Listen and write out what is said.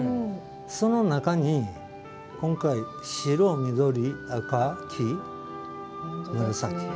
その中に白、緑、赤、黄、紫。